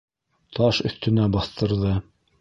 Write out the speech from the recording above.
Таш өҫтөнә баҫтырҙы.